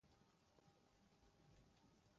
لبنانی designer اقوام متحدہ کے خیر سگالی سفیر مقرر